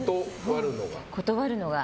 断るのが？